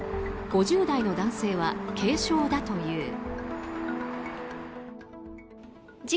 ５０代の男性は軽傷だという。